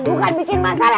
bukan bikin masalah